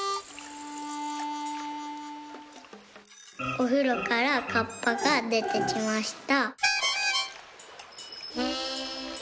「おふろからカッパがでてきました」。